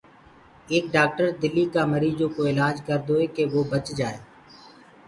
ايڪ ڊآڪٽر دلو ڪآ مريٚجو ڪوُ الآج ڪردوئي ڪي وو بچ جآئي